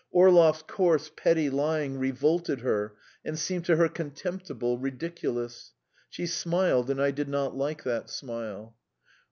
Orlov's coarse, petty lying revolted her and seemed to her contemptible, ridiculous: she smiled and I did not like that smile.